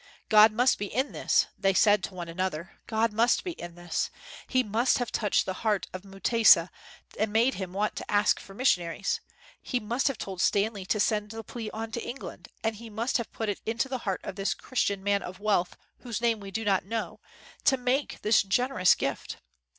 "God must be in this," they said to one another, "God must be in this. He must have touched the heart of Mutesa and made him want to ask for missionaries: he must have told Stanley to send the plea on to England: and he must have put it in the heart of this Christian man of wealth, whose name we do not know, to make this generous gift.